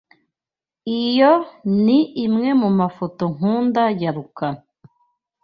Iyo ni imwe mu mafoto nkunda ya Rukara.